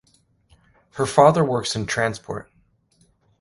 Her father works in transport.